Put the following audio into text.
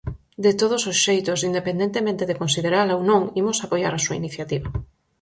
De todos os xeitos, independentemente de considerala ou non, imos apoiar a súa iniciativa.